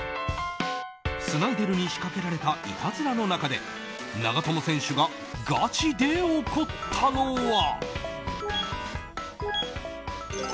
スナイデルに仕掛けられたいたずらの中で長友選手がガチで怒ったのは。